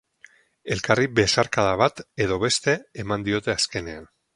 Elkarri besarkada bate do beste eman diote azkenean.